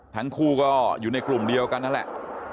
ทั้งคู่ก็อยู่ในกลุ่มเดียวกันนั่นแหละ